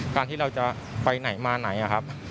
การที่เราจะไปไหนมาไหนครับ